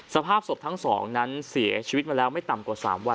สภาพศพทั้งสองนั้นเสียชีวิตมาแล้วไม่ต่ำกว่า๓วัน